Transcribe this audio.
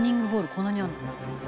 こんなにあるの？」